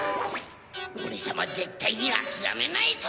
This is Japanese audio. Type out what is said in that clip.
オレさまぜったいにあきらめないぞ！